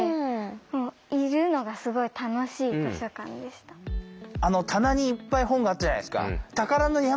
しかも何か最初あの棚にいっぱい本があったじゃないですか。